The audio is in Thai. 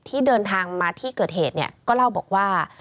ที่เดินทางมาที่เกิดเหตุเนี่ยก็เล่าบอกว่า